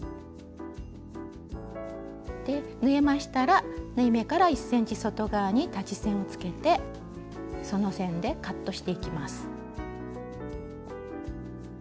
縫えましたら縫い目から１ｃｍ外側に裁ち線をつけてその線でカットしていきます。